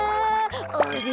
あれ？